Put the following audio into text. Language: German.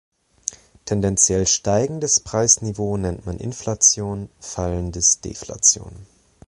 Tendenziell steigendes Preisniveau nennt man Inflation, fallendes Deflation.